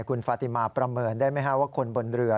คุณฟาติมาประเมินได้ไหมว่าคนบนเรือ